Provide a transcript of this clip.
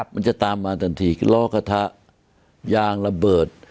มันจะตามมาทันทีล้อกระทะยางระเบิด